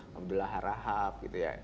ya raha hab gitu ya